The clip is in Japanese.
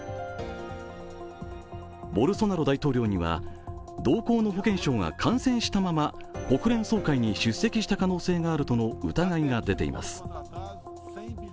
ボルソナロ大統領には同行する保健相が感染したまま、国連総会に出席した疑いが出ています。